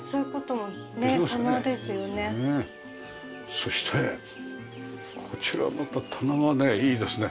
そしてこちらまた棚がねいいですね。